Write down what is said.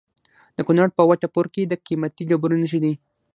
د کونړ په وټه پور کې د قیمتي ډبرو نښې دي.